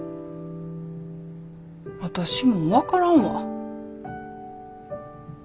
私も分からんわ。